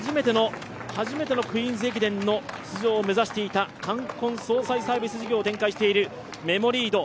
初めてのクイーンズ駅伝の出場を目指していた冠婚葬祭サービス従業員を展開しているメモリード。